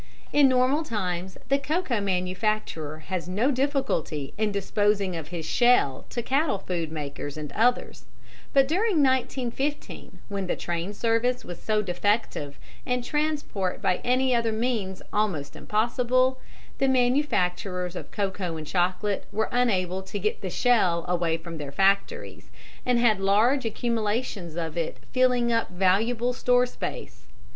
In normal times the cocoa manufacturer has no difficulty in disposing of his shell to cattle food makers and others, but during 1915 when the train service was so defective, and transport by any other means almost impossible, the manufacturers of cocoa and chocolate were unable to get the shell away from their factories, and had large accumulations of it filling up valuable store space.